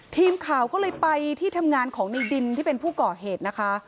ทีมข่าวก็เลยไปที่ทำงานของในดินที่เป็นผู้ก่อเหตุนะคะ